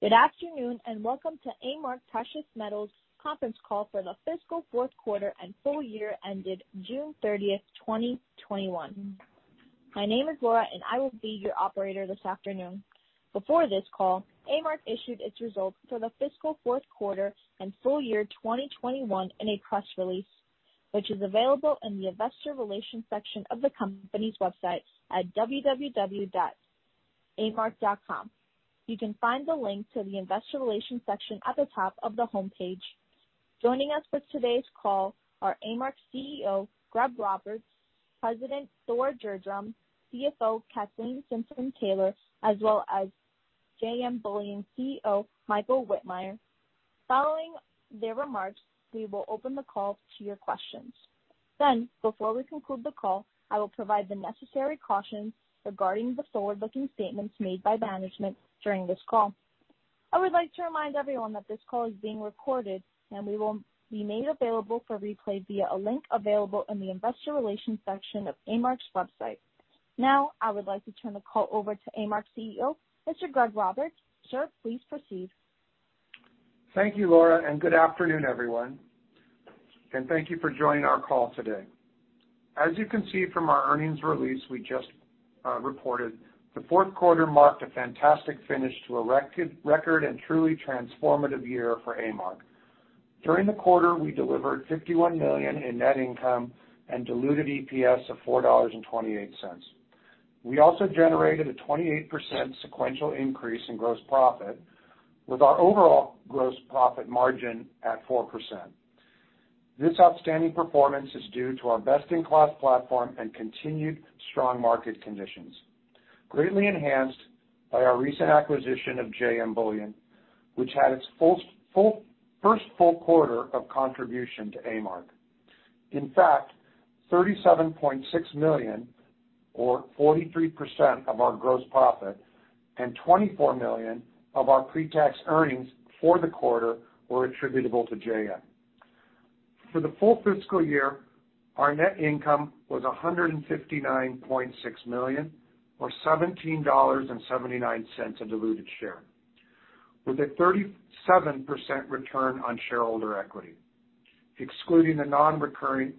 Good afternoon, welcome to A-Mark Precious Metals conference call for the fiscal fourth quarter and full year ended June 30th, 2021. My name is Laura, and I will be your operator this afternoon. Before this call, A-Mark issued its results for the fiscal fourth quarter and full year 2021 in a press release, which is available in the investor relations section of the company's website at www.amark.com. You can find the link to the investor relations section at the top of the homepage. Joining us for today's call are A-Mark CEO, Greg Roberts, President Thor Gjerdrum, CFO Kathleen Simpson-Taylor, as well as JM Bullion CEO, Michael Wittmeyer. Following their remarks, we will open the call to your questions. Before we conclude the call, I will provide the necessary cautions regarding the forward-looking statements made by management during this call. I would like to remind everyone that this call is being recorded and will be made available for replay via a link available in the investor relations section of A-Mark's website. Now, I would like to turn the call over to A-Mark CEO, Mr. Greg Roberts. Sir, please proceed. Thank you, Laura, and good afternoon, everyone, and thank you for joining our call today. As you can see from our earnings release we just reported, the fourth quarter marked a fantastic finish to a record and truly transformative year for A-Mark. During the quarter, we delivered $51 million in net income and diluted EPS of $4.28. We also generated a 28% sequential increase in gross profit with our overall gross profit margin at 4%. This outstanding performance is due to our best-in-class platform and continued strong market conditions, greatly enhanced by our recent acquisition of JM Bullion, which had its first full quarter of contribution to A-Mark. In fact, $37.6 million, or 43% of our gross profit, and $24 million of our pre-tax earnings for the quarter were attributable to JM. For the full fiscal year, our net income was $159.6 million, or $17.79 a diluted share, with a 37% return on shareholder equity, excluding the non-recurring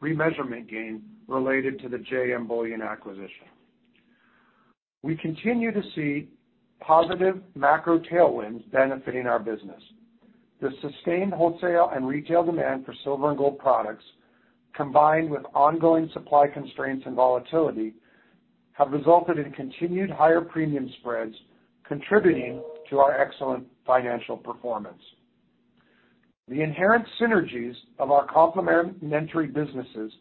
remeasurement gain related to the JM Bullion acquisition. We continue to see positive macro tailwinds benefiting our business. The sustained wholesale and retail demand for silver and gold products, combined with ongoing supply constraints and volatility, have resulted in continued higher premium spreads, contributing to our excellent financial performance. The inherent synergies of our complementary businesses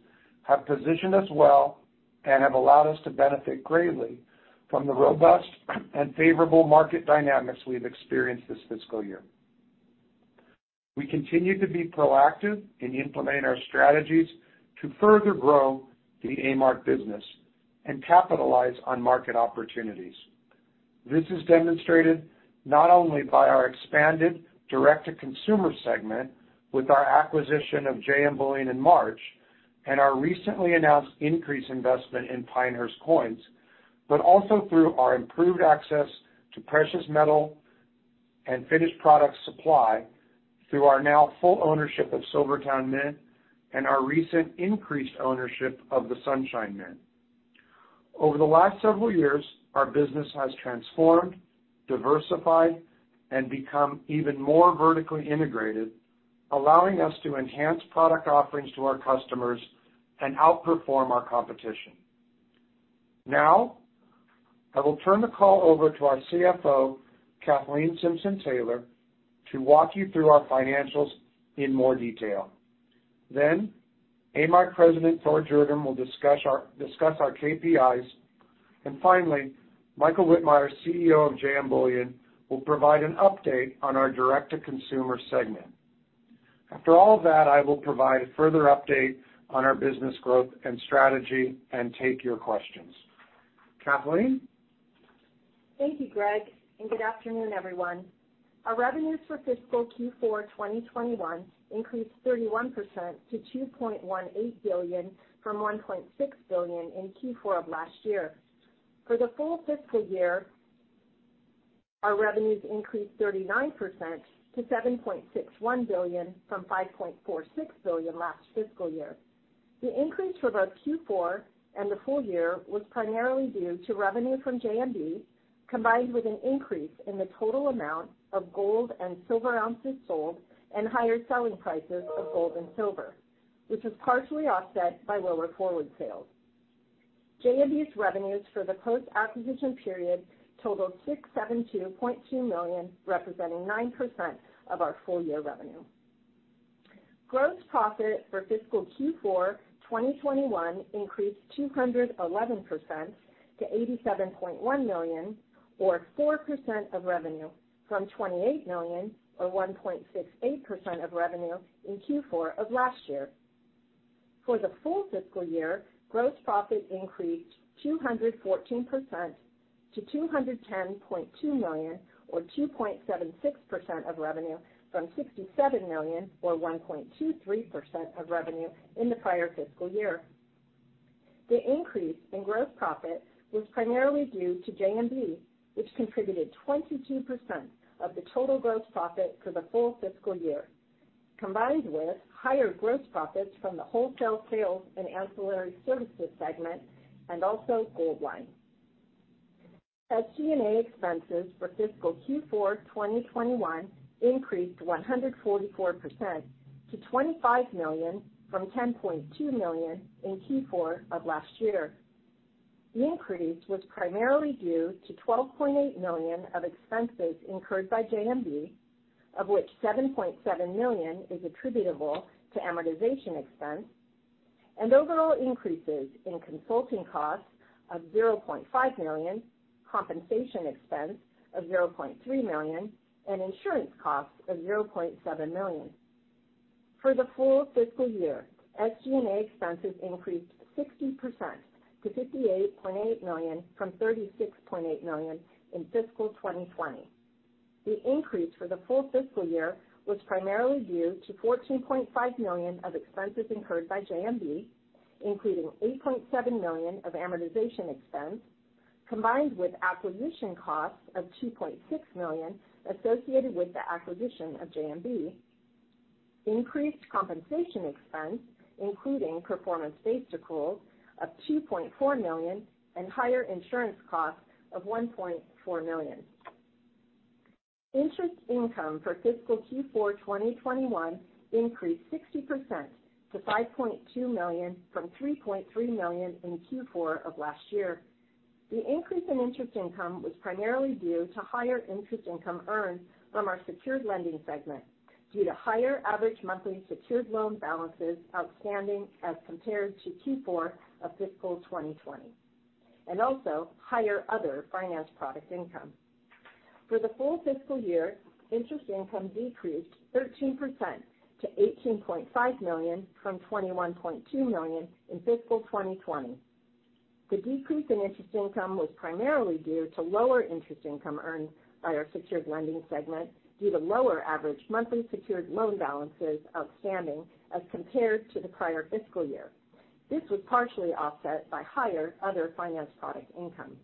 have positioned us well and have allowed us to benefit greatly from the robust and favorable market dynamics we've experienced this fiscal year. We continue to be proactive in implementing our strategies to further grow the A-Mark business and capitalize on market opportunities. This is demonstrated not only by our expanded direct-to-consumer segment with our acquisition of JM Bullion in March and our recently announced increased investment in Pinehurst Coin Exchange, but also through our improved access to precious metal and finished product supply through our now full ownership of SilverTowne Mint and our recent increased ownership of the Sunshine Mint. Over the last several years, our business has transformed, diversified, and become even more vertically integrated, allowing us to enhance product offerings to our customers and outperform our competition. Now, I will turn the call over to our CFO, Kathleen Simpson-Taylor, to walk you through our financials in more detail. A-Mark President Thor Gjerdrum will discuss our KPIs. Finally, Michael Wittmeyer, CEO of JM Bullion, will provide an update on our direct-to-consumer segment. After all that, I will provide a further update on our business growth and strategy and take your questions. Kathleen? Thank you, Greg. Good afternoon, everyone. Our revenues for fiscal Q4 2021 increased 31% to $2.18 billion from $1.6 billion in Q4 of last year. For the full fiscal year, our revenues increased 39% to $7.61 billion from $5.46 billion last fiscal year. The increase for both Q4 and the full year was primarily due to revenue from JMB, combined with an increase in the total amount of gold and silver ounces sold and higher selling prices of gold and silver, which was partially offset by lower forward sales. JMB's revenues for the post-acquisition period totaled $672.2 million, representing 9% of our full-year revenue. Gross profit for fiscal Q4 2021 increased 211% to $87.1 million, or 4% of revenue, from $28 million, or 1.68% of revenue, in Q4 of last year. For the full fiscal year, gross profit increased 214% to $210.2 million, or 2.76% of revenue, from $67 million, or 1.23% of revenue, in the prior fiscal year. The increase in gross profit was primarily due to JMB, which contributed 22% of the total gross profit for the full fiscal year, combined with higher gross profits from the wholesale sales and ancillary services segment, and also Goldline. SG&A expenses for fiscal Q4 2021 increased 144% to $25 million from $10.2 million in Q4 of last year. The increase was primarily due to $12.8 million of expenses incurred by JMB, of which $7.7 million is attributable to amortization expense, and overall increases in consulting costs of $0.5 million, compensation expense of $0.3 million, and insurance costs of $0.7 million. For the full fiscal year, SG&A expenses increased 60% to $58.8 million from $36.8 million in fiscal 2020. The increase for the full fiscal year was primarily due to $14.5 million of expenses incurred by JMB, including $8.7 million of amortization expense, combined with acquisition costs of $2.6 million associated with the acquisition of JMB, increased compensation expense, including performance-based accruals of $2.4 million, and higher insurance costs of $1.4 million. Interest income for fiscal Q4 2021 increased 60% to $5.2 million from $3.3 million in Q4 of last year. The increase in interest income was primarily due to higher interest income earned from our secured lending segment, due to higher average monthly secured loan balances outstanding as compared to Q4 of fiscal 2020, and also higher other finance product income. For the full fiscal year, interest income decreased 13% to $18.5 million from $21.2 million in fiscal 2020. The decrease in interest income was primarily due to lower interest income earned by our secured lending segment due to lower average monthly secured loan balances outstanding as compared to the prior fiscal year. This was partially offset by higher other finance product income.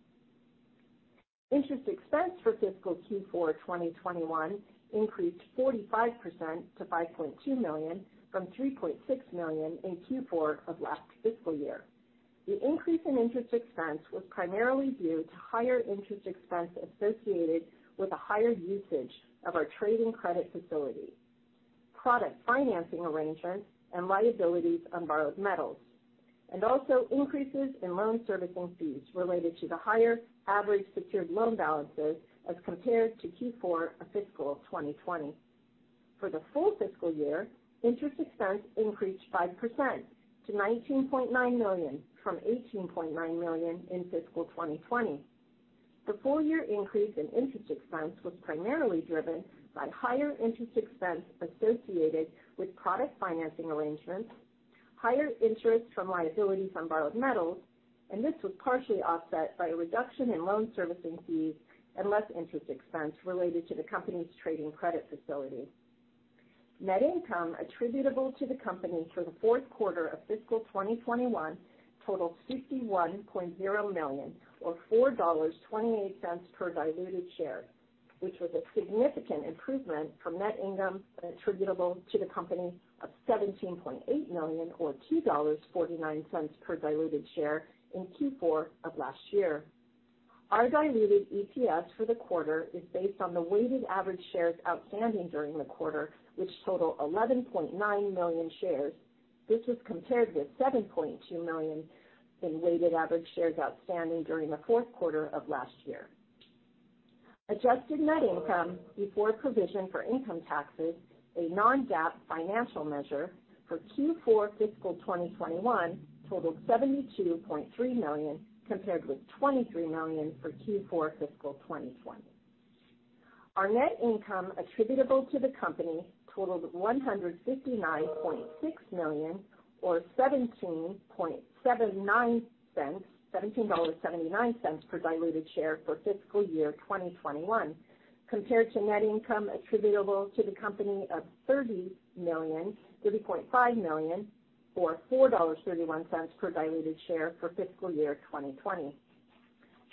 Interest expense for fiscal Q4 2021 increased 45% to $5.2 million from $3.6 million in Q4 of last fiscal year. The increase in interest expense was primarily due to higher interest expense associated with a higher usage of our trading credit facility, product financing arrangements, and liabilities on borrowed metals, and also increases in loan servicing fees related to the higher average secured loan balances as compared to Q4 of fiscal 2020. For the full fiscal year, interest expense increased 5% to $19.9 million from $18.9 million in fiscal 2020. The full-year increase in interest expense was primarily driven by higher interest expense associated with product financing arrangements, higher interest from liabilities on borrowed metals, and this was partially offset by a reduction in loan servicing fees and less interest expense related to the company's trading credit facility. Net income attributable to the company for the fourth quarter of fiscal 2021 totaled $51.0 million or $4.28 per diluted share, which was a significant improvement from net income attributable to the company of $17.8 million or $2.49 per diluted share in Q4 of last year. Our diluted EPS for the quarter is based on the weighted average shares outstanding during the quarter, which total 11.9 million shares. This was compared with 7.2 million in weighted average shares outstanding during the fourth quarter of last year. Adjusted net income before provision for income taxes, a non-GAAP financial measure for Q4 fiscal 2021 totaled $72.3 million compared with $23 million for Q4 fiscal 2020. Our net income attributable to the company totaled $159.6 million or $17.79 per diluted share for fiscal year 2021 compared to net income attributable to the company of $30.5 million or $4.31 per diluted share for fiscal year 2020.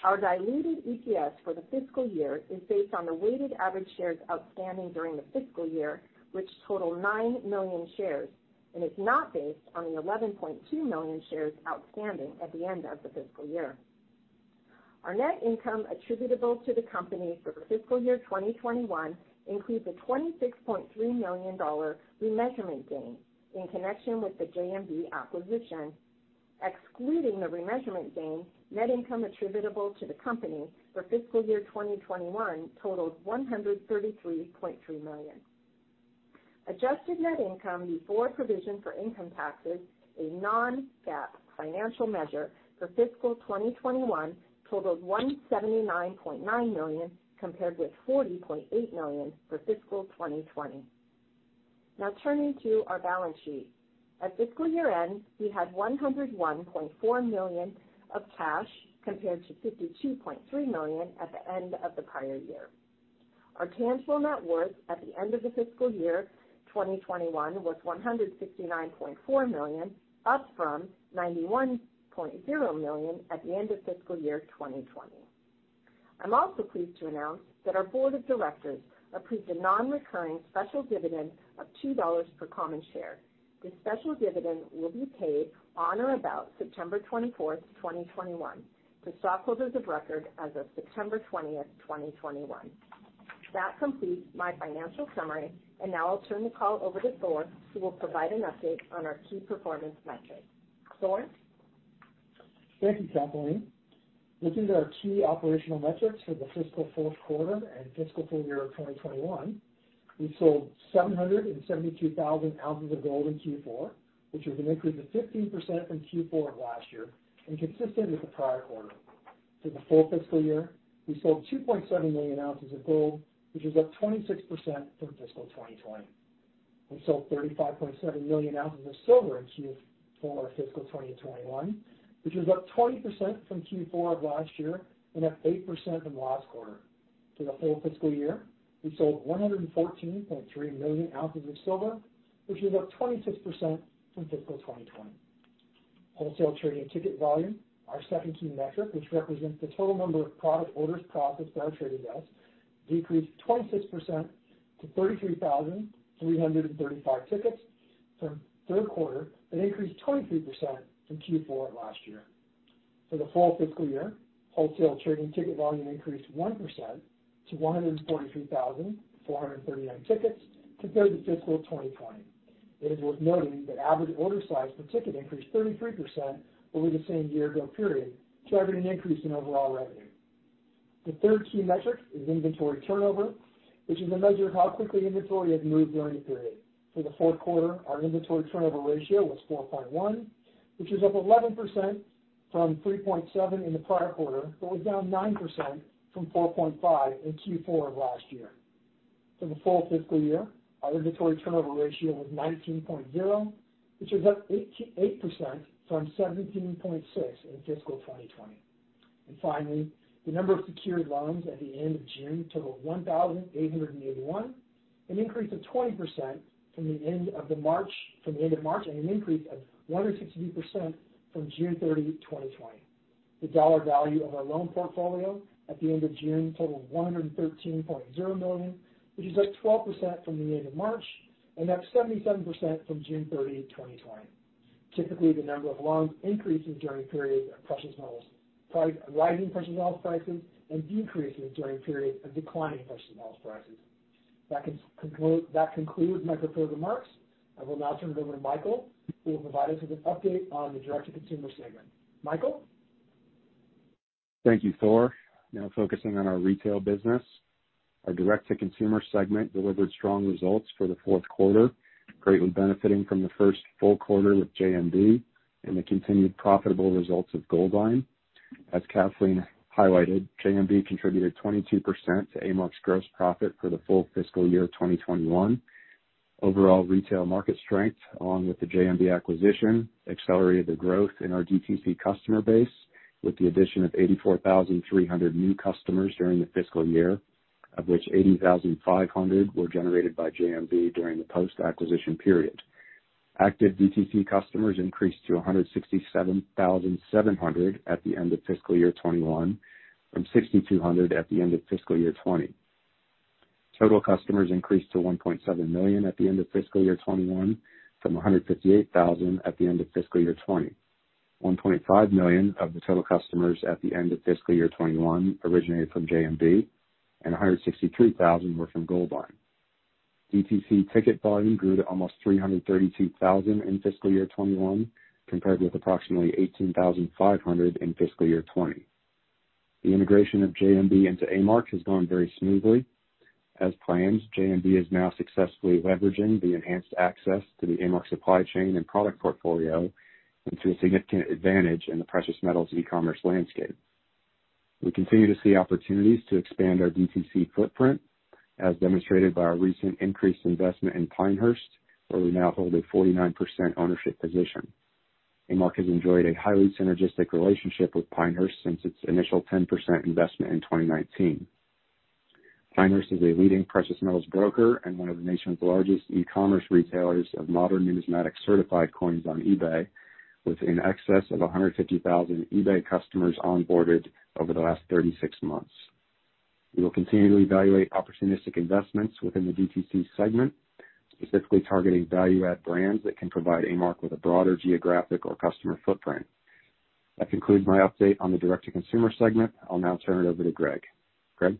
Our diluted EPS for the fiscal year is based on the weighted average shares outstanding during the fiscal year, which total 9 million shares and is not based on the 11.2 million shares outstanding at the end of the fiscal year. Our net income attributable to the company for fiscal year 2021 includes a $26.3 million remeasurement gain in connection with the JMB acquisition. Excluding the remeasurement gain, net income attributable to the company for fiscal year 2021 totaled $133.3 million. Adjusted net income before provision for income taxes, a non-GAAP financial measure for fiscal 2021 totaled $179.9 million compared with $40.8 million for fiscal 2020. Now turning to our balance sheet. At fiscal year end, we had $101.4 million of cash compared to $52.3 million at the end of the prior year. Our tangible net worth at the end of the fiscal year 2021 was $169.4 million, up from $91.0 million at the end of fiscal year 2020. I'm also pleased to announce that our board of directors approved a non-recurring special dividend of $2 per common share. This special dividend will be paid on or about September 24th, 2021 to stockholders of record as of September 20th, 2021. That completes my financial summary, and now I'll turn the call over to Thor, who will provide an update on our key performance metrics. Thor? Thank you, Kathleen. Looking at our key operational metrics for the fiscal fourth quarter and fiscal full year 2021, we sold 772,000 oz of gold in Q4, which was an increase of 15% from Q4 of last year and consistent with the prior quarter. For the full fiscal year, we sold 2.7 million oz of gold, which is up 26% from fiscal 2020. We sold 35.7 million oz of silver in Q4 fiscal 2021, which is up 20% from Q4 of last year and up 8% from last quarter. For the full fiscal year, we sold 114.3 million oz of silver, which is up 26% from fiscal 2020. Wholesale trading ticket volume, our second key metric, which represents the total number of product orders processed by our trading desk, decreased 26% to 33,335 tickets from third quarter and increased 23% from Q4 last year. For the full fiscal year, wholesale trading ticket volume increased 1% to 143,439 tickets compared to fiscal 2020. It is worth noting that average order size per ticket increased 33% over the same year-ago period, driving an increase in overall revenue. The third key metric is inventory turnover, which is a measure of how quickly inventory has moved during a period. For the fourth quarter, our inventory turnover ratio was 4.1, which is up 11% from 3.7 in the prior quarter, but was down 9% from 4.5 in Q4 of last year. For the full fiscal year, our inventory turnover ratio was 19.0, which was up 8% from 17.6 in fiscal 2020. Finally, the number of secured loans at the end of June totaled 1,881, an increase of 20% from the end of March, and an increase of 160% from June 30, 2020. The dollar value of our loan portfolio at the end of June totaled $113.0 million, which is up 12% from the end of March and up 77% from June 30, 2020. Typically, the number of loans increases during periods of rising precious metals prices and decreases during periods of declining precious metals prices. That concludes my prepared remarks. I will now turn it over to Michael, who will provide us with an update on the direct-to-consumer segment. Michael? Thank you, Thor. Now focusing on our retail business. Our direct-to-consumer segment delivered strong results for the fourth quarter, greatly benefiting from the first full quarter with JMB and the continued profitable results of Goldline. As Kathleen highlighted, JMB contributed 22% to A-Mark's gross profit for the full fiscal year 2021. Overall retail market strength, along with the JMB acquisition, accelerated the growth in our DTC customer base with the addition of 84,300 new customers during the fiscal year, of which 80,500 were generated by JMB during the post-acquisition period. Active DTC customers increased to 167,700 at the end of fiscal year 2021 from 6,200 at the end of fiscal year 2020. Total customers increased to 1.7 million at the end of fiscal year 2021 from 158,000 at the end of fiscal year 2020. 1.5 million of the total customers at the end of fiscal year 2021 originated from JMB, and 163,000 were from Goldline. DTC ticket volume grew to almost 332,000 in fiscal year 2021, compared with approximately 18,500 in fiscal year 2020. The integration of JMB into A-Mark has gone very smoothly. As planned, JMB is now successfully leveraging the enhanced access to the A-Mark supply chain and product portfolio into a significant advantage in the precious metals e-commerce landscape. We continue to see opportunities to expand our DTC footprint, as demonstrated by our recent increased investment in Pinehurst, where we now hold a 49% ownership position. A-Mark has enjoyed a highly synergistic relationship with Pinehurst since its initial 10% investment in 2019. Pinehurst is a leading precious metals broker and one of the nation's largest e-commerce retailers of modern numismatic certified coins on eBay with in excess of 150,000 eBay customers onboarded over the last 36 months. We will continue to evaluate opportunistic investments within the DTC segment, specifically targeting value-add brands that can provide A-Mark with a broader geographic or customer footprint. That concludes my update on the direct-to-consumer segment. I'll now turn it over to Greg. Greg?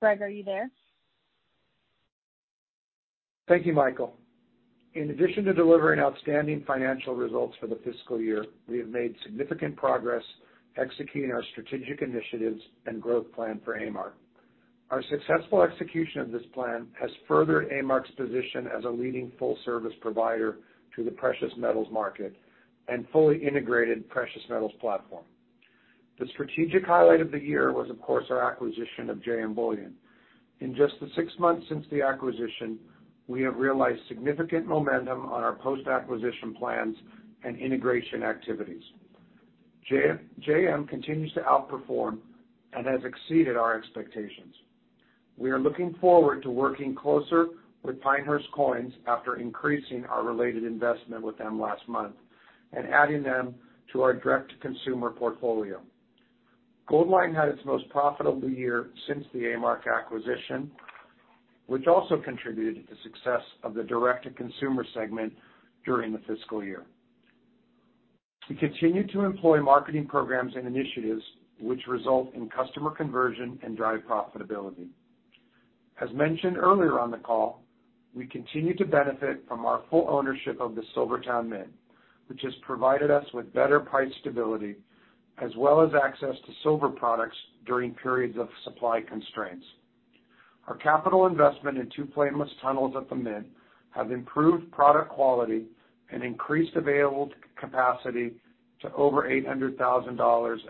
Greg, are you there? Thank you, Michael. In addition to delivering outstanding financial results for the fiscal year, we have made significant progress executing our strategic initiatives and growth plan for A-Mark. Our successful execution of this plan has furthered A-Mark's position as a leading full-service provider to the precious metals market and fully integrated precious metals platform. The strategic highlight of the year was, of course, our acquisition of JM Bullion. In just the six months since the acquisition, we have realized significant momentum on our post-acquisition plans and integration activities. JM continues to outperform and has exceeded our expectations. We are looking forward to working closer with Pinehurst Coin Exchange after increasing our related investment with them last month and adding them to our direct-to-consumer portfolio. Goldline had its most profitable year since the A-Mark acquisition, which also contributed to the success of the direct-to-consumer segment during the fiscal year. We continue to employ marketing programs and initiatives which result in customer conversion and drive profitability. As mentioned earlier on the call, we continue to benefit from our full ownership of the SilverTowne Mint, which has provided us with better price stability as well as access to silver products during periods of supply constraints. Our capital investment in two Flameless Tunnels at the mint have improved product quality and increased available capacity to over 800,000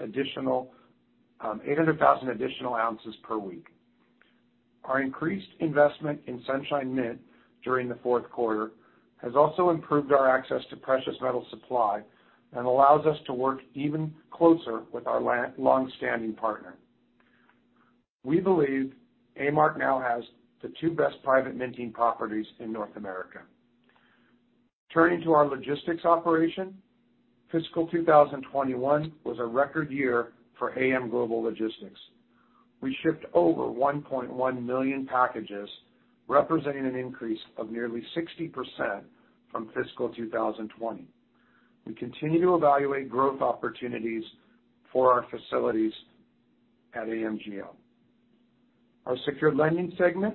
additional ounces per week. Our increased investment in Sunshine Mint during the fourth quarter has also improved our access to precious metal supply and allows us to work even closer with our longstanding partner. We believe A-Mark now has the two best private minting properties in North America. Turning to our logistics operation, fiscal 2021 was a record year for A-M Global Logistics. We shipped over 1.1 million packages, representing an increase of nearly 60% from fiscal 2020. We continue to evaluate growth opportunities for our facilities at AMGL. Our secured lending segment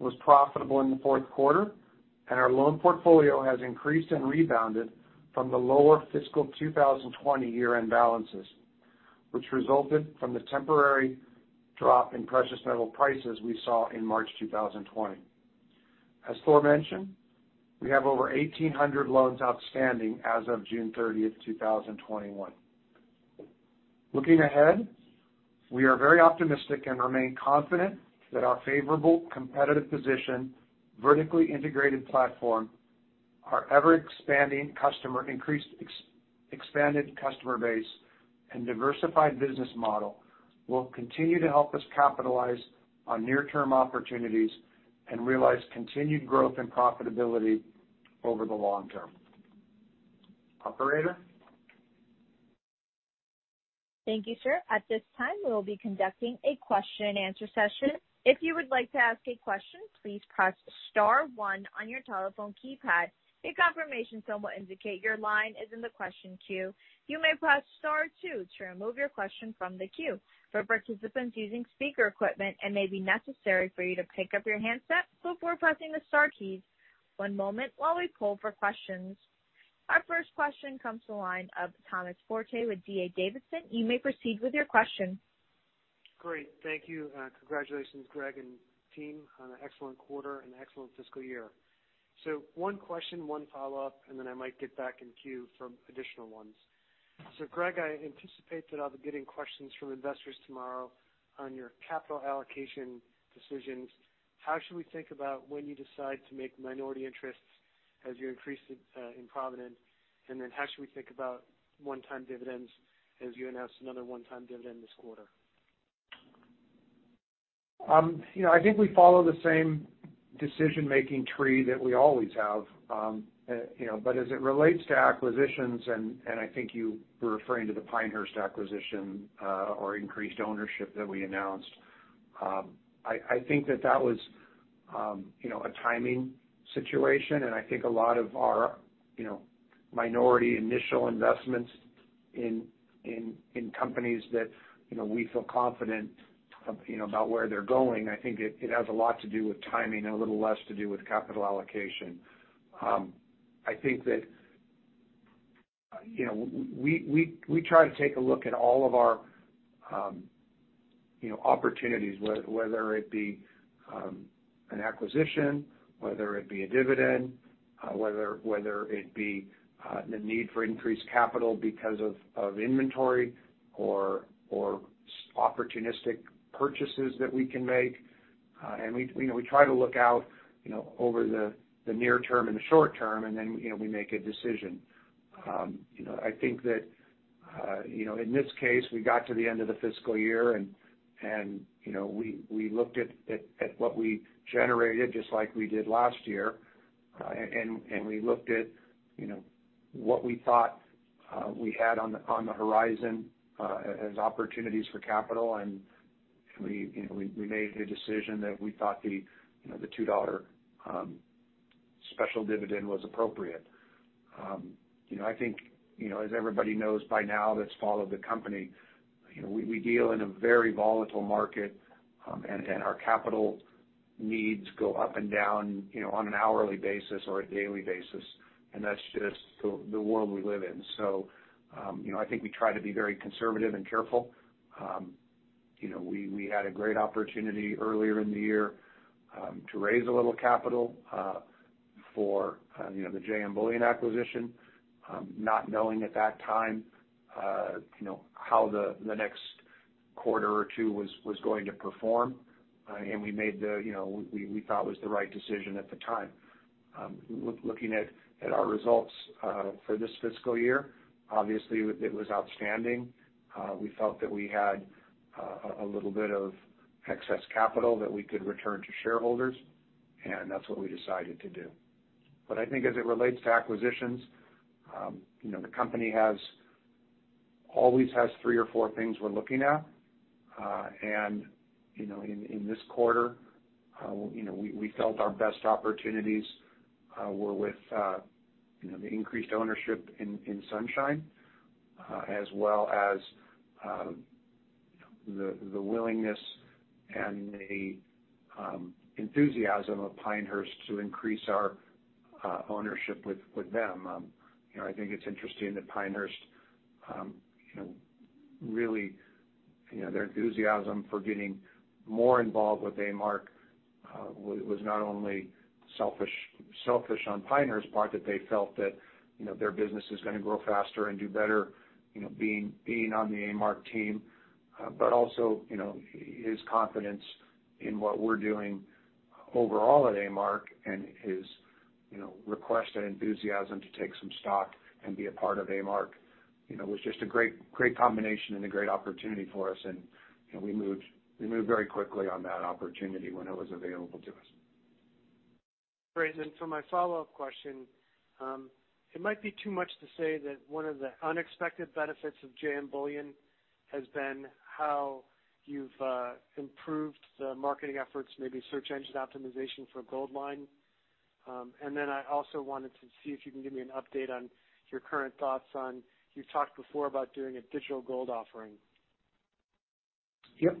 was profitable in the fourth quarter, and our loan portfolio has increased and rebounded from the lower fiscal 2020 year-end balances, which resulted from the temporary drop in precious metal prices we saw in March 2020. As Thor mentioned, we have over 1,800 loans outstanding as of June 30th, 2021. Looking ahead, we are very optimistic and remain confident that our favorable competitive position, vertically integrated platform, our ever-expanded customer base, and diversified business model will continue to help us capitalize on near-term opportunities and realize continued growth and profitability over the long term. Operator. Thank you, sir. At this time, we will be conducting a question-and-answer session. If you would like to ask a question, please press star one on your telephone keypad. A confirmation tone will indicate your line is in the question queue. You may press star two to remove your question from the queue. For participants using speaker equipment, it may be necessary for you to pick up your handset before pressing the star keys. One moment while we poll for questions. Our first question comes to the line of Thomas Forte with D.A. Davidson. You may proceed with your question. Great. Thank you. Congratulations, Greg and team, on an excellent quarter and excellent fiscal year. One question, one follow-up, and then I might get back in queue for additional ones. Greg, I anticipate that I'll be getting questions from investors tomorrow on your capital allocation decisions. How should we think about when you decide to make minority interests as you increase in prominence? Then how should we think about one-time dividends as you announce another one-time dividend this quarter? I think we follow the same decision-making tree that we always have. As it relates to acquisitions, and I think you were referring to the Pinehurst acquisition or increased ownership that we announced, I think that was a timing situation, and I think a lot of our minority initial investments in companies that we feel confident about where they're going, I think it has a lot to do with timing and a little less to do with capital allocation. I think that we try to take a look at all of our opportunities, whether it be an acquisition, whether it be a dividend, whether it be the need for increased capital because of inventory or opportunistic purchases that we can make. We try to look out over the near term and the short term, and then we make a decision. I think that in this case, we got to the end of the fiscal year, and we looked at what we generated, just like we did last year. We looked at what we thought we had on the horizon as opportunities for capital, and we made a decision that we thought the $2 special dividend was appropriate. I think as everybody knows by now that's followed the company, we deal in a very volatile market, and our capital needs go up and down on an hourly basis or a daily basis, and that's just the world we live in. I think we try to be very conservative and careful. We had a great opportunity earlier in the year to raise a little capital for the JM Bullion acquisition, not knowing at that time how the next quarter or two was going to perform, and we made what we thought was the right decision at the time. Looking at our results for this fiscal year, obviously it was outstanding. We felt that we had a little bit of excess capital that we could return to shareholders, that's what we decided to do. I think as it relates to acquisitions, the company always has three or four things we're looking at. In this quarter, we felt our best opportunities were with the increased ownership in Sunshine, as well as the willingness and the enthusiasm of Pinehurst to increase our ownership with them. I think it's interesting that Pinehurst, really, their enthusiasm for getting more involved with A-Mark was not only selfish on Pinehurst's part, that they felt that their business is going to grow faster and do better being on the A-Mark team. Also his confidence in what we're doing overall at A-Mark and his request and enthusiasm to take some stock and be a part of A-Mark was just a great combination and a great opportunity for us. We moved very quickly on that opportunity when it was available to us. Great. For my follow-up question, it might be too much to say that one of the unexpected benefits of JM Bullion has been how you've improved the marketing efforts, maybe search engine optimization for Goldline. I also wanted to see if you can give me an update on your current thoughts on, you talked before about doing a digital gold offering. Yep.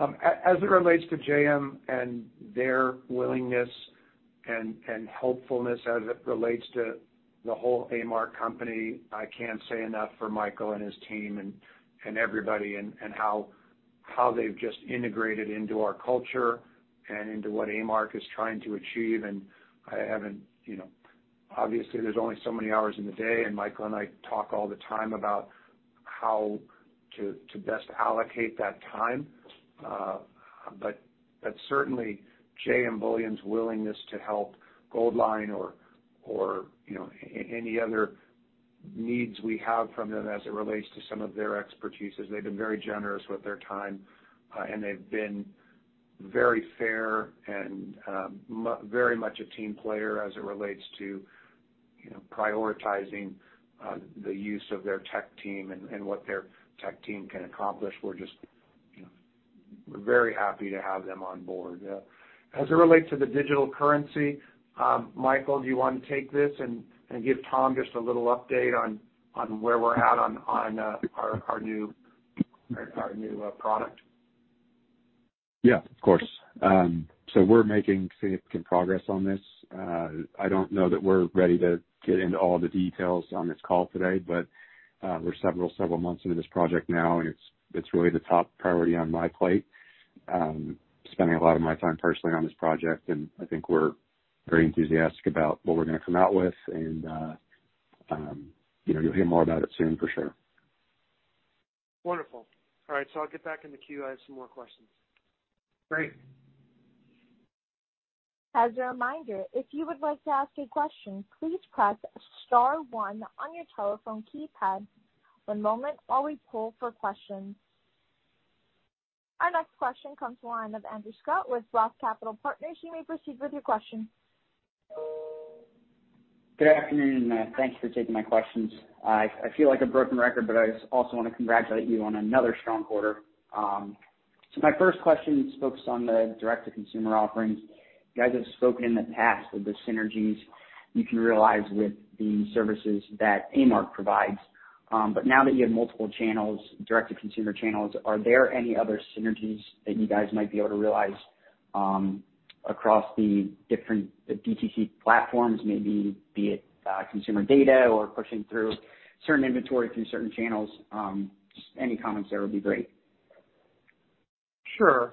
As it relates to JM and their willingness and helpfulness as it relates to the whole A-Mark company, I can't say enough for Michael and his team and everybody, and how they've just integrated into our culture and into what A-Mark is trying to achieve. There's only so many hours in the day, and Michael and I talk all the time about how to best allocate that time. Certainly, JM Bullion's willingness to help Goldline or any other needs we have from them as it relates to some of their expertise, is they've been very generous with their time, and they've been very fair and very much a team player as it relates to prioritizing the use of their tech team and what their tech team can accomplish. We're very happy to have them on board. As it relates to the digital currency, Michael, do you want to take this and give Tom just a little update on where we're at on our new product? Yeah, of course. We're making significant progress on this. I don't know that we're ready to get into all the details on this call today, but we're several months into this project now, and it's really the top priority on my plate. Spending a lot of my time personally on this project, and I think we're very enthusiastic about what we're going to come out with. You'll hear more about it soon, for sure. Wonderful. All right, I'll get back in the queue. I have some more questions. Great. As a reminder, if you would like to ask a question, please press star one on your telephone keypad. One moment while we pull for questions. Our next question comes from the line of Andrew Scutt with Roth Capital Partners. You may proceed with your question. Good afternoon. Thank you for taking my questions. I feel like a broken record. I also want to congratulate you on another strong quarter. My first question is focused on the direct-to-consumer offerings. You guys have spoken in the past of the synergies you can realize with the services that A-Mark provides. Now that you have multiple channels, direct-to-consumer channels, are there any other synergies that you guys might be able to realize across the different DTC platforms, maybe be it consumer data or pushing through certain inventory through certain channels? Any comments there would be great. Sure.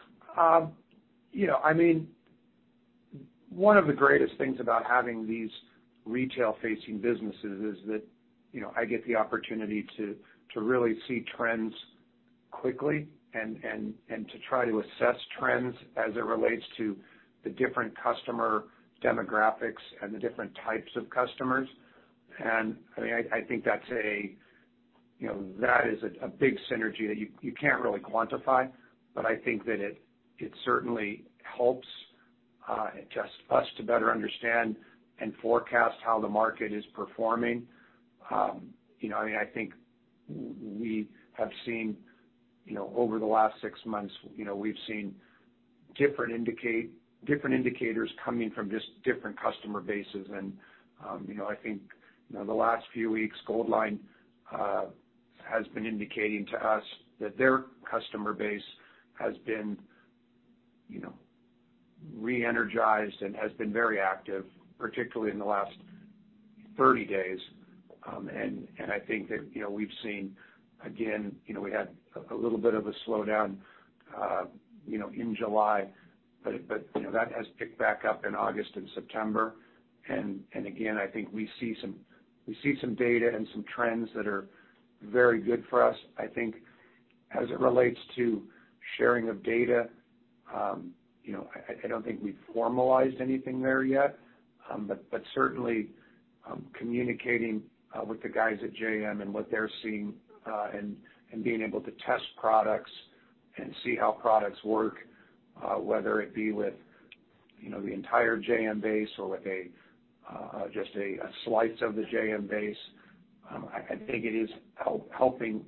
One of the greatest things about having these retail-facing businesses is that I get the opportunity to really see trends quickly and to try to assess trends as it relates to the different customer demographics and the different types of customers. I think that is a big synergy that you can't really quantify, but I think that it certainly helps us to better understand and forecast how the market is performing. I think we have seen over the last six months, we've seen different indicators coming from just different customer bases. I think the last few weeks, Goldline has been indicating to us that their customer base has been re-energized and has been very active, particularly in the last 30 days. I think that we've seen, again, we had a little bit of a slowdown in July, but that has picked back up in August and September. Again, I think we see some data and some trends that are very good for us. I think as it relates to sharing of data, I don't think we've formalized anything there yet, but certainly communicating with the guys at JM and what they're seeing, and being able to test products and see how products work, whether it be with the entire JM base or with just a slice of the JM base, I think it is helping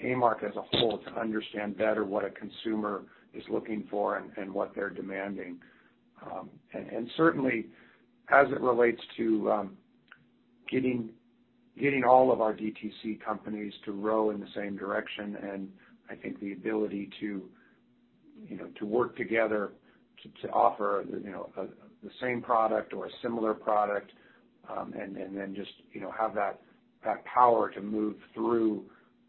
A-Mark as a whole to understand better what a consumer is looking for and what they're demanding. Certainly as it relates to getting all of our DTC companies to row in the same direction, and I think the ability to work together to offer the same product or a similar product, and then just have that power to move through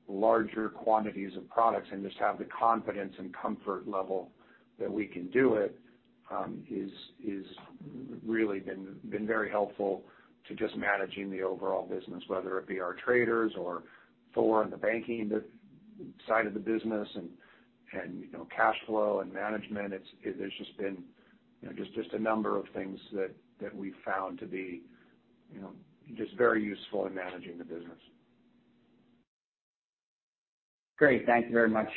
larger quantities of products and just have the confidence and comfort level that we can do it, is really been very helpful to just managing the overall business. Whether it be our traders or Thor on the banking side of the business and cash flow and management. There's just been a number of things that we've found to be just very useful in managing the business. Great. Thank you very much.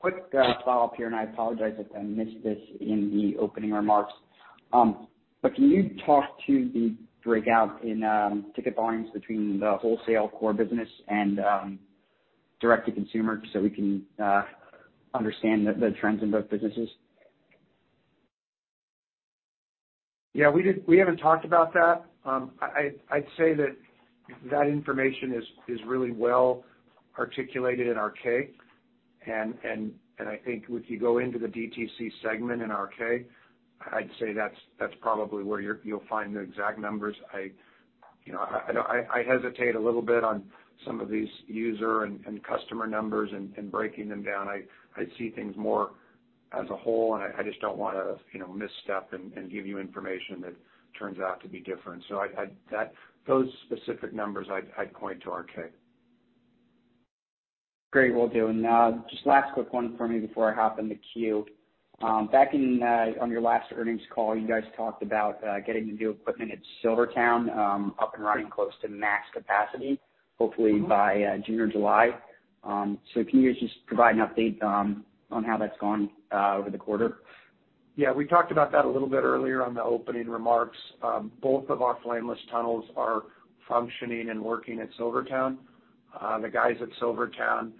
Quick follow-up here. I apologize if I missed this in the opening remarks. Can you talk to the breakout in ticket volumes between the wholesale core business and direct to consumer so we can understand the trends in both businesses? Yeah, we haven't talked about that. I'd say that that information is really well articulated in our K. I think if you go into the DTC segment in our K, I'd say that's probably where you'll find the exact numbers. I hesitate a little bit on some of these user and customer numbers and breaking them down. I see things more as a whole, and I just don't want to misstep and give you information that turns out to be different. Those specific numbers, I'd point to our K. Great, will do. Just last quick one from me before I hop in the queue. Back on your last earnings call, you guys talked about getting the new equipment at SilverTowne up and running close to max capacity, hopefully by June or July. Can you just provide an update on how that's gone over the quarter? Yeah, we talked about that a little bit earlier on the opening remarks. Both of our Flameless Tunnels are functioning and working at SilverTowne. The guys at SilverTowne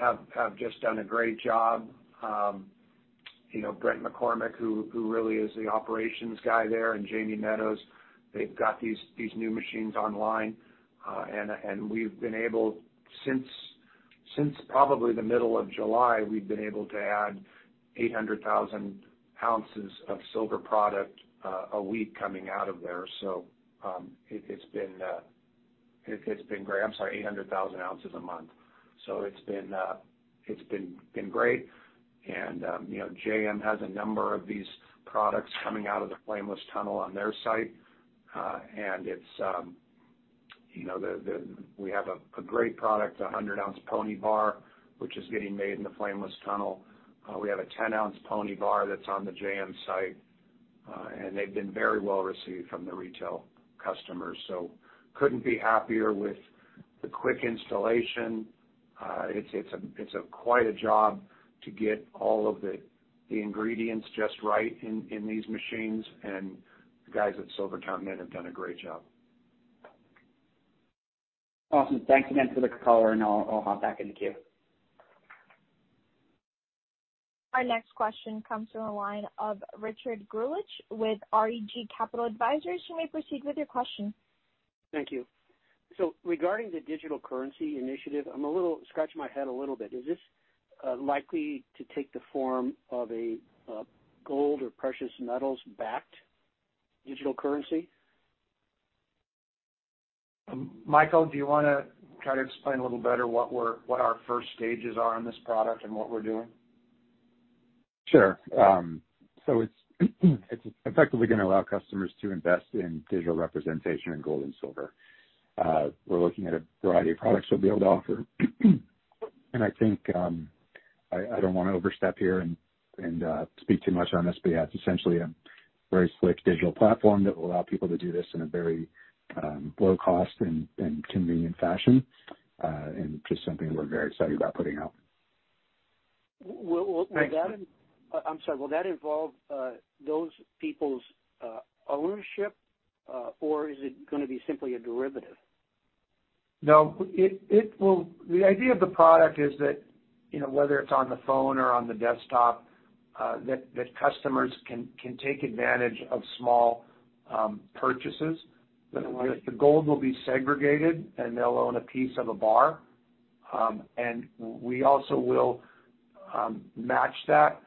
have just done a great job. Brett McCormick, who really is the operations guy there, and Jamie Meadows, they've got these new machines online. We've been able, since probably the middle of July, we've been able to add 800,000 oz of silver product a week coming out of there. It's been great. I'm sorry, 800,000 oz a month. It's been great. JM has a number of these products coming out of the Flameless Tunnel on their site. We have a great product, a 100-oz pony bar, which is getting made in the Flameless Tunnel. We have a 10-oz pony bar that's on the JM site. They've been very well received from the retail customers. Couldn't be happier with the quick installation. It's quite a job to get all of the ingredients just right in these machines, and the guys at SilverTowne have done a great job. Awesome. Thanks again for the color, and I'll hop back in the queue. Our next question comes from the line of Richard Greulich with REG Capital Advisors. You may proceed with your question. Thank you. Regarding the Digital Currency Initiative, I'm scratching my head a little bit. Is this likely to take the form of a gold or precious metals backed digital currency? Michael, do you want to try to explain a little better what our first stages are on this product and what we're doing? Sure. It's effectively going to allow customers to invest in digital representation in gold and silver. We're looking at a variety of products we'll be able to offer. I think I don't want to overstep here and speak too much on this, but yeah, it's essentially a very slick digital platform that will allow people to do this in a very low-cost and convenient fashion, and just something we're very excited about putting out. Will that- Thanks. I'm sorry. Will that involve those people's ownership, or is it going to be simply a derivative? No. The idea of the product is that whether it's on the phone or on the desktop, that customers can take advantage of small purchases. The gold will be segregated, and they'll own a piece of a bar. We also will match that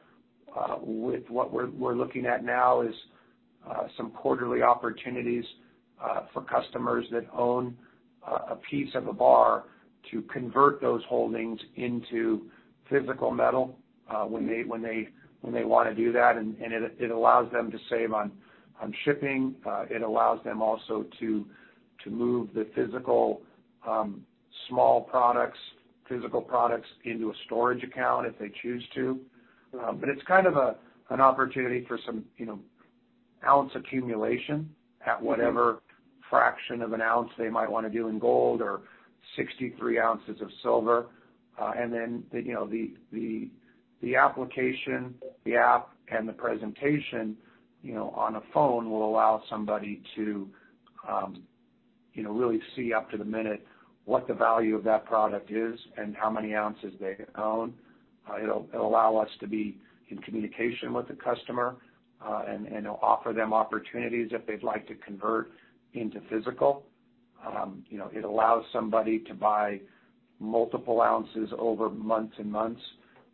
with what we're looking at now is some quarterly opportunities for customers that own a piece of a bar to convert those holdings into physical metal when they want to do that. It allows them to save on shipping. It allows them also to move the physical products into a storage account if they choose to. It's kind of an opportunity for some ounce accumulation at whatever fraction of an ounce they might want to do in gold or 63 oz of silver. The application, the app and the presentation on a phone will allow somebody to really see up to the minute what the value of that product is and how many ounces they own. It'll allow us to be in communication with the customer, and it'll offer them opportunities if they'd like to convert into physical. It allows somebody to buy multiple ounces over months and months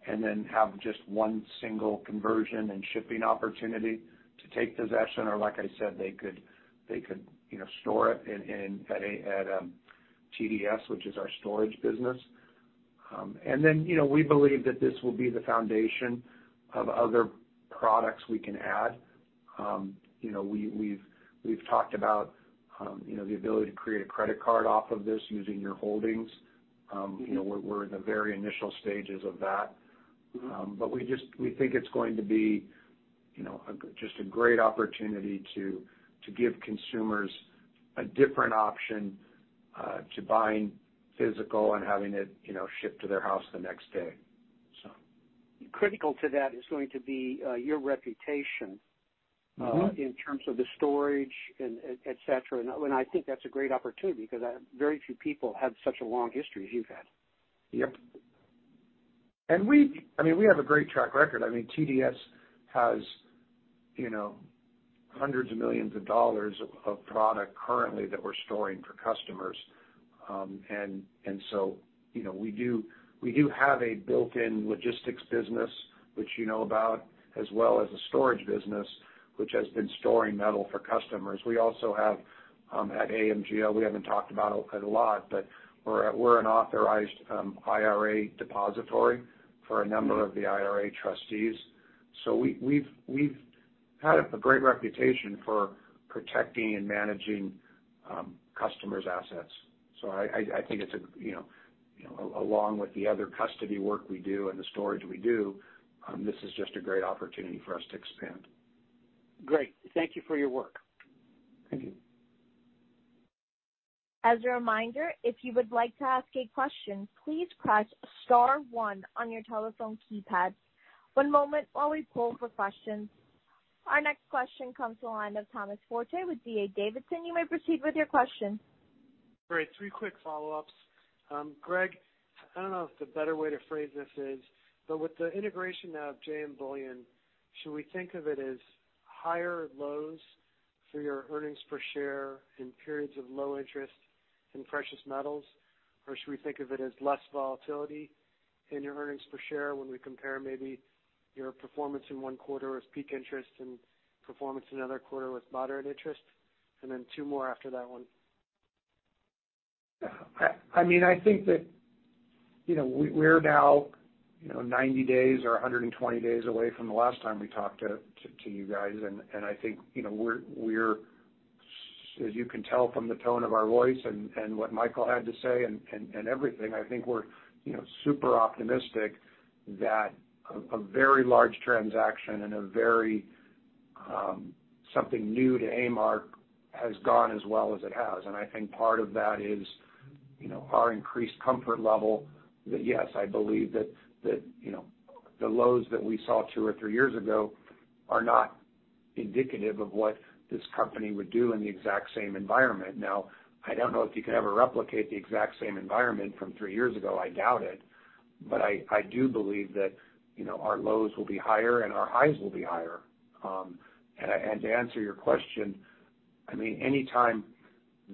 and then have just one single conversion and shipping opportunity to take possession. Like I said, they could store it at TDS, which is our storage business. We believe that this will be the foundation of other products we can add. We've talked about the ability to create a credit card off of this using your holdings. We're in the very initial stages of that. We think it's going to be just a great opportunity to give consumers a different option to buying physical and having it shipped to their house the next day. Critical to that is going to be your reputation in terms of the storage, et cetera. I think that's a great opportunity because very few people have such a long history as you've had. Yep. We have a great track record. TDS has hundreds of millions of dollars of product currently that we're storing for customers. We do have a built-in logistics business which you know about, as well as a storage business which has been storing metal for customers. We also have at AMGL, we haven't talked about it a lot, but we're an authorized IRA depository for a number of the IRA trustees. We've had a great reputation for protecting and managing customers' assets. I think along with the other custody work we do and the storage we do, this is just a great opportunity for us to expand. Great. Thank you for your work. Thank you. As a reminder, if you would like to ask a question, please press star one on your telephone keypad. One moment while we poll for questions. Our next question comes to the line of Thomas Forte with D.A. Davidson. You may proceed with your question. Great. Three quick follow-ups. Greg, I don't know if the better way to phrase this is, but with the integration now of JM Bullion, should we think of it as higher lows for your earnings per share in periods of low interest in precious metals? Should we think of it as less volatility in your earnings per share when we compare maybe your performance in one quarter with peak interest and performance in another quarter with moderate interest? Two more after that one. I think that we're now 90 days or 120 days away from the last time we talked to you guys. I think as you can tell from the tone of our voice and what Michael had to say and everything, I think we're super optimistic that a very large transaction and something new to A-Mark has gone as well as it has. I think part of that is our increased comfort level that yes, I believe that the lows that we saw two or three years ago are not indicative of what this company would do in the exact same environment. Now, I don't know if you can ever replicate the exact same environment from three years ago. I doubt it. I do believe that our lows will be higher and our highs will be higher. To answer your question, anytime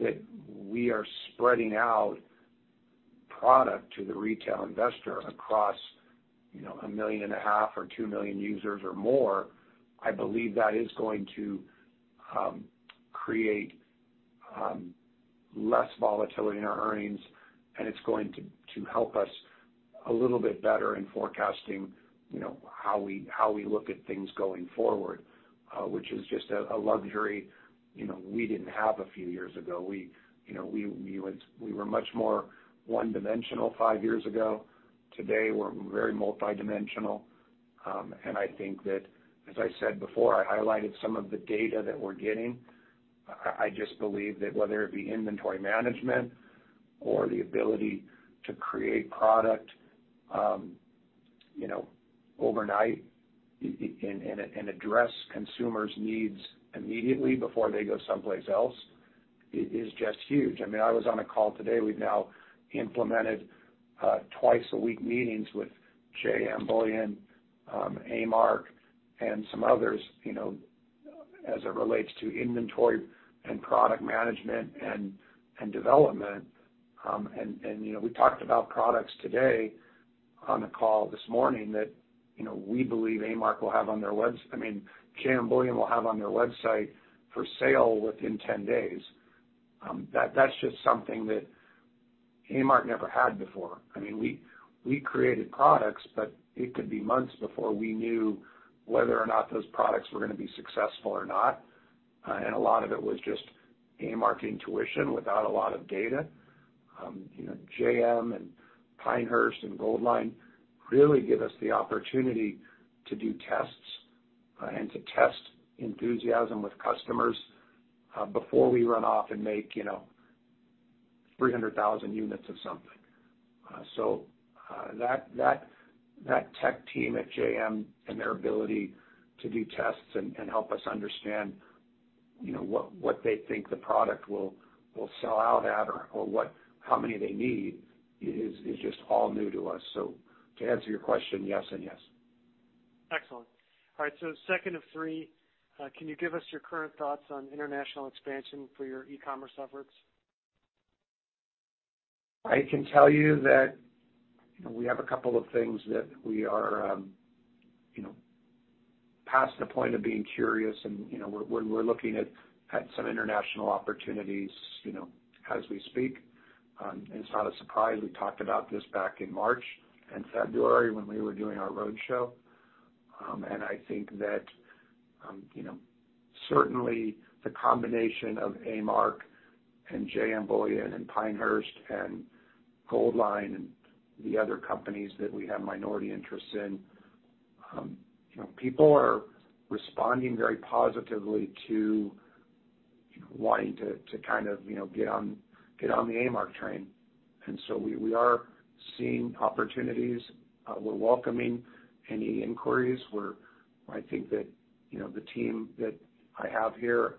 that we are spreading out product to the retail investor across 1.5 million or 2 million users or more, I believe that is going to create less volatility in our earnings, and it's going to help us a little bit better in forecasting how we look at things going forward, which is just a luxury we didn't have a few years ago. We were much more one-dimensional five years ago. Today, we're very multi-dimensional. I think that, as I said before, I highlighted some of the data that we're getting. I just believe that whether it be inventory management or the ability to create product overnight and address consumers' needs immediately before they go someplace else is just huge. I was on a call today. We've now implemented twice-a-week meetings with JM Bullion, A-Mark, and some others. As it relates to inventory and product management and development. We talked about products today on the call this morning that we believe A-Mark will have on their web, JM Bullion will have on their website for sale within 10 days. That's just something that A-Mark never had before. It could be months before we knew whether or not those products were going to be successful or not. A lot of it was just A-Mark intuition without a lot of data. JM and Pinehurst and Goldline really give us the opportunity to do tests and to test enthusiasm with customers before we run off and make 300,000 units of something. That tech team at JM and their ability to do tests and help us understand what they think the product will sell out at or how many they need is just all new to us. To answer your question, yes and yes. Excellent. All right, second of three. Can you give us your current thoughts on international expansion for your e-commerce efforts? I can tell you that we have a couple of things that we are past the point of being curious. We're looking at some international opportunities as we speak. It's not a surprise, we talked about this back in March and February when we were doing our roadshow. I think that certainly the combination of A-Mark and JM Bullion and Pinehurst and Goldline and the other companies that we have minority interests in, people are responding very positively to wanting to kind of get on the A-Mark train. We are seeing opportunities. We're welcoming any inquiries. I think that the team that I have here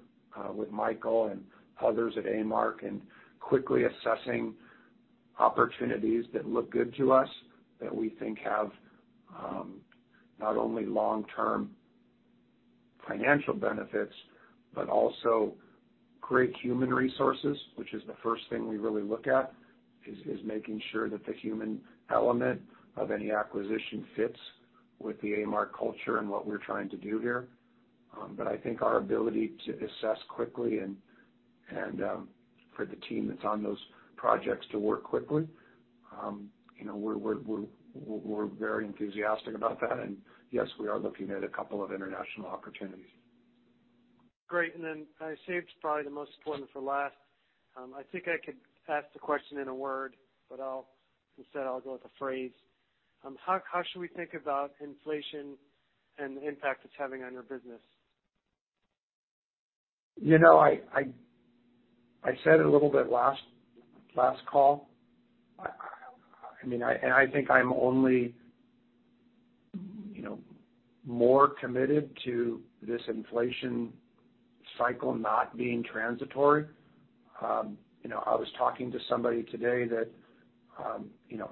with Michael and others at A-Mark and quickly assessing opportunities that look good to us that we think have not only long-term financial benefits, but also great human resources, which is the first thing we really look at, is making sure that the human element of any acquisition fits with the A-Mark culture and what we're trying to do here. I think our ability to assess quickly and for the team that's on those projects to work quickly, we're very enthusiastic about that. Yes, we are looking at a couple of international opportunities. Great. I saved probably the most important for last. I think I could ask the question in a word. Instead I'll go with a phrase. How should we think about inflation and the impact it's having on your business? I said it a little bit last call. I think I'm only more committed to this inflation cycle not being transitory. I was talking to somebody today that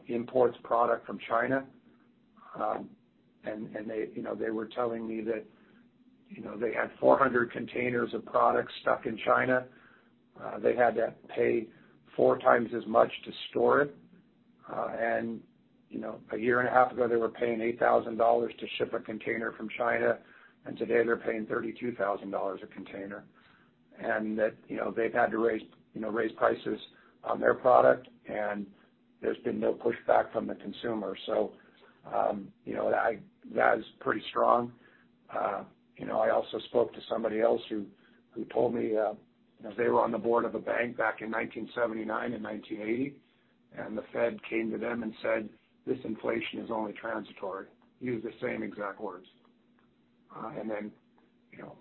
imports product from China. They were telling me that they had 400 containers of product stuck in China. They had to pay four times as much to store it. A year and a half ago, they were paying $8,000 to ship a container from China, and today they're paying $32,000 a container. They've had to raise prices on their product, and there's been no pushback from the consumer. That is pretty strong. I also spoke to somebody else who told me they were on the board of a bank back in 1979 and 1980. The Fed came to them and said, "This inflation is only transitory." Used the same exact words.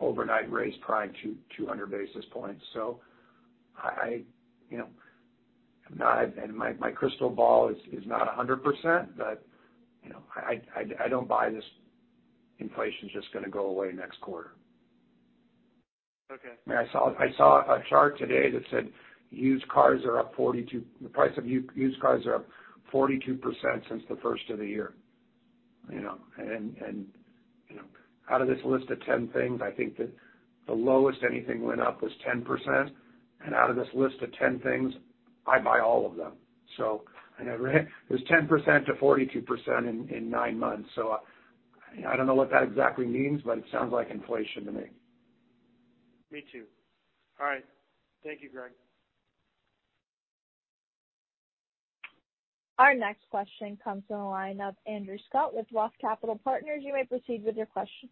Overnight raised prime 200 basis points. My crystal ball is not 100%, but I don't buy this inflation's just going to go away next quarter. Okay. I saw a chart today that said the price of used cars are up 42% since the first of the year. Out of this list of 10 things, I think that the lowest anything went up was 10%, and out of this list of 10 things, I buy all of them. It was 10%-42% in nine months. I don't know what that exactly means, but it sounds like inflation to me. Me too. All right. Thank you, Greg. Our next question comes from the line of Andrew Scutt with Roth Capital Partners. You may proceed with your question.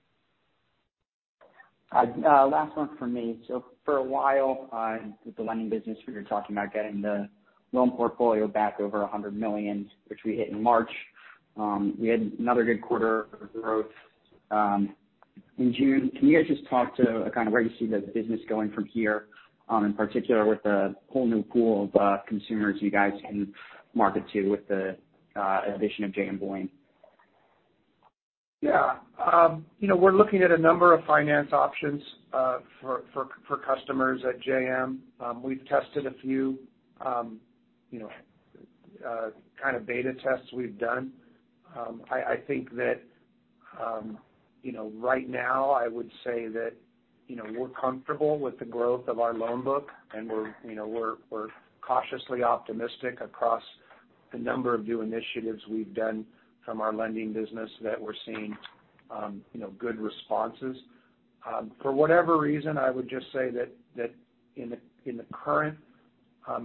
Last one from me. For a while with the lending business, you were talking about getting the loan portfolio back over $100 million, which we hit in March. We had another good quarter of growth in June. Can you guys just talk to kind of where you see the business going from here, in particular with the whole new pool of consumers you guys can market to with the addition of JM Bullion? Yeah. We're looking at a number of finance options for customers at JM Bullion. We've tested a few kind of beta tests we've done. I think that right now, I would say that we're comfortable with the growth of our loan book, and we're cautiously optimistic across the number of new initiatives we've done from our lending business that we're seeing good responses. For whatever reason, I would just say that in the current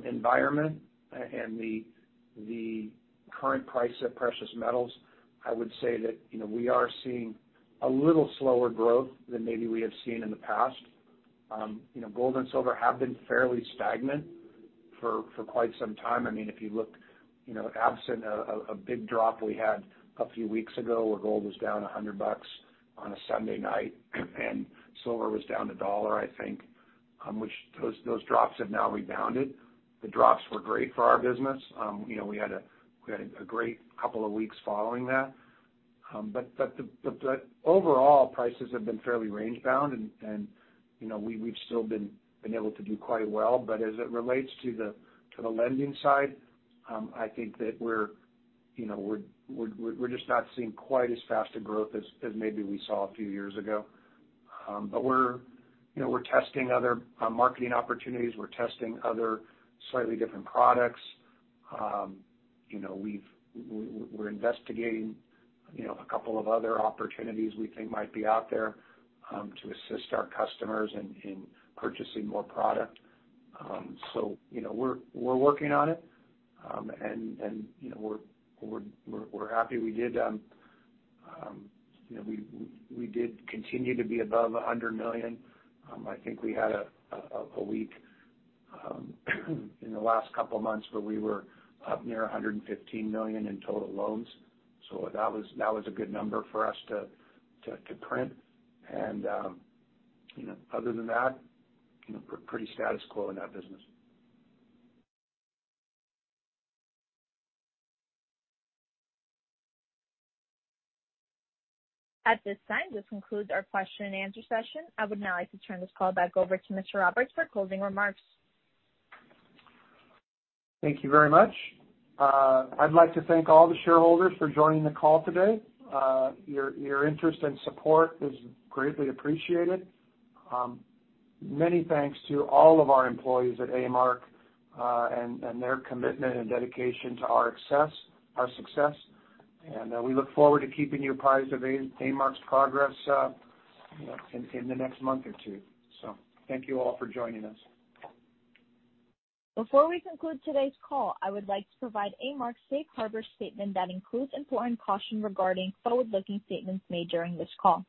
environment and the current price of precious metals, I would say that we are seeing a little slower growth than maybe we have seen in the past. Gold and silver have been fairly stagnant for quite some time. If you look, absent of a big drop we had a few weeks ago where gold was down $100 on a Sunday night, and silver was down $1, I think, which those drops have now rebounded. The drops were great for our business. We had a great couple of weeks following that. Overall, prices have been fairly range-bound, and we've still been able to do quite well. As it relates to the lending side, I think that we're just not seeing quite as faster growth as maybe we saw a few years ago. We're testing other marketing opportunities. We're testing other slightly different products. We're investigating a couple of other opportunities we think might be out there to assist our customers in purchasing more product. We're working on it. We're happy we did continue to be above $100 million. I think we had a week in the last couple of months where we were up near $115 million in total loans. That was a good number for us to print. Other than that, pretty status quo in that business. At this time, this concludes our question and answer session. I would now like to turn this call back over to Mr. Roberts for closing remarks. Thank you very much. I'd like to thank all the shareholders for joining the call today. Your interest and support is greatly appreciated. Many thanks to all of our employees at A-Mark and their commitment and dedication to our success. We look forward to keeping you apprised of A-Mark's progress in the next month or two. Thank you all for joining us. Before we conclude today's call, I would like to provide A-Mark's Safe Harbor statement that includes important caution regarding forward-looking statements made during this call.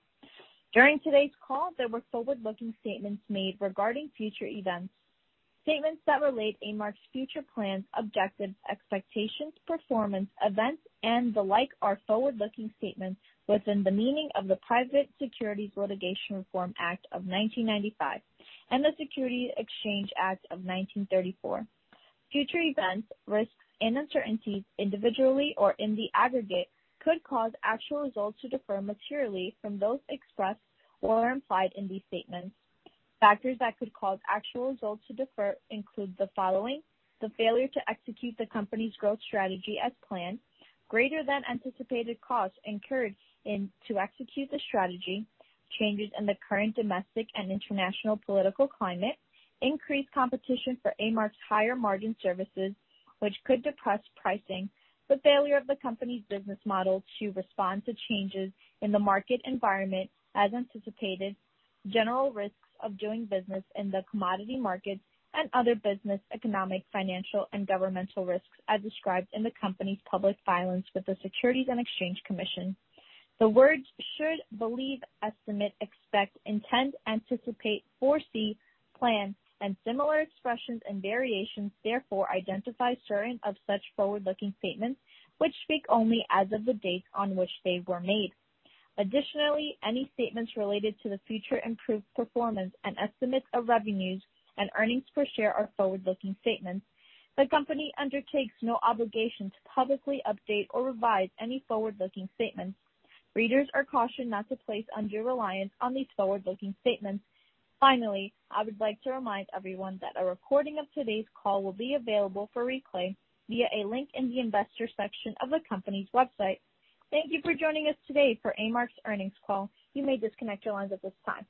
During today's call, there were forward-looking statements made regarding future events. Statements that relate to A-Mark's future plans, objectives, expectations, performance, events, and the like are forward-looking statements within the meaning of the Private Securities Litigation Reform Act of 1995 and the Securities Exchange Act of 1934. Future events, risks, and uncertainties, individually or in the aggregate, could cause actual results to differ materially from those expressed or implied in these statements. Factors that could cause actual results to differ include the following: the failure to execute the company's growth strategy as planned, greater than anticipated costs incurred to execute the strategy, changes in the current domestic and international political climate, increased competition for A-Mark's higher margin services, which could depress pricing, the failure of the company's business model to respond to changes in the market environment as anticipated, general risks of doing business in the commodity markets, and other business, economic, financial, and governmental risks as described in the company's public filings with the Securities and Exchange Commission. The words should, believe, estimate, expect, intend, anticipate, foresee, plan, and similar expressions and variations therefore identify certain of such forward-looking statements, which speak only as of the date on which they were made. Additionally, any statements related to the future improved performance and estimates of revenues and earnings per share are forward-looking statements. The company undertakes no obligation to publicly update or revise any forward-looking statements. Readers are cautioned not to place undue reliance on these forward-looking statements. Finally, I would like to remind everyone that a recording of today's call will be available for replay via a link in the investor section of the company's website. Thank you for joining us today for A-Mark's earnings call. You may disconnect your lines at this time.